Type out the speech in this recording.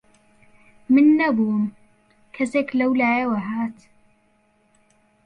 من نەبووم، کەسێک لەولایەوە هات